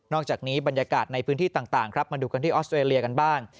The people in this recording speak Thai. อกจากนี้บรรยากาศในพื้นที่ต่างครับมาดูกันที่ออสเตรเลียกันบ้าง